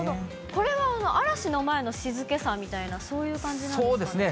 これは嵐の前の静けさみたいな、そういう感じなんですかね。